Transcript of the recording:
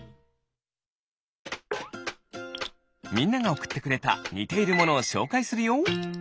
みんながおくってくれたにているものをしょうかいするよ。